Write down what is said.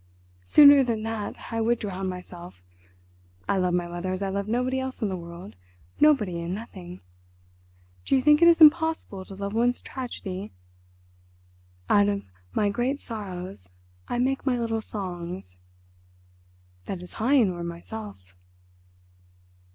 Sooner than that I would drown myself. I love my mother as I love nobody else in the world—nobody and nothing! Do you think it is impossible to love one's tragedy? 'Out of my great sorrows I make my little songs,' that is Heine or myself."